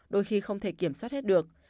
đôi khi không thể kiểm soát hết được